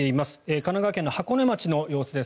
神奈川県の箱根町の様子です。